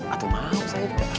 aduh mau ustadz